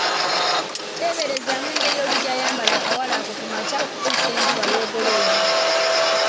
Teeberezaamu engeri oli gy'ayambala akawale ako ku makya okutuusa enjuba lw'egolooba!